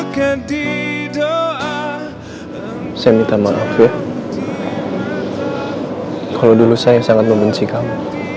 kalau dulu saya sangat membenci kamu